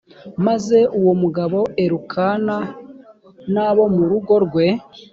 maze uwo mugabo elukana n abo mu rugo rwe